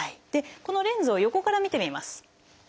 このレンズを横から見てみます。